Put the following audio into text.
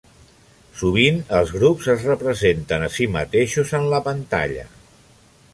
Sovint els grups es representen a si mateixos en la pantalla.